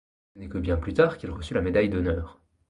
Ce n’est que bien plus tard qu’il reçut la médaille d’honneur.